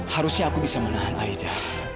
harusnya aku bisa menahan aida